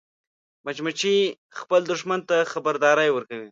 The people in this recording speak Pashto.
مچمچۍ خپل دښمن ته خبرداری ورکوي